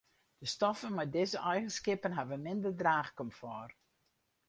De stoffen mei dizze eigenskippen hawwe minder draachkomfort.